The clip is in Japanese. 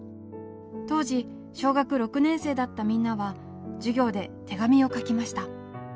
当時小学６年生だったみんなは授業で「手紙」を書きました。